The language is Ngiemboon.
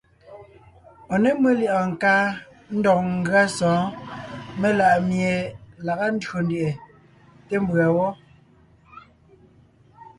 Ɔ̀ ně mʉ́ lyɛ̌ʼɔɔn káa ndɔg ngʉa sɔ̌ɔn melaʼmie laga ndÿò ndyɛʼɛ té mbʉ̀a wɔ́.